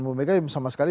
ibu meka sama sekali